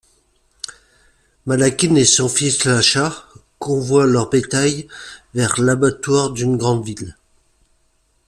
Malakhine et son fils Iacha convoient leur bétail vers l'abattoir d'une grande ville.